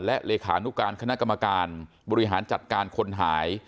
และเลขานุการคณะกรรมการบริหารจัดการคนหาย